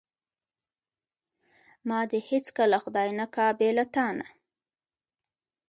ما دې هیڅکله خدای نه کا بې له تانه.